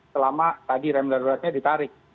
selama tadi rem daruratnya ditarik